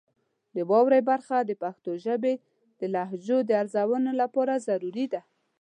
د واورئ برخه د پښتو ژبې د لهجو د ارزونې لپاره ضروري ده.